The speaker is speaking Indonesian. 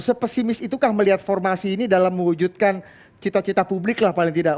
sepesimis itukah melihat formasi ini dalam mewujudkan cita cita publik lah paling tidak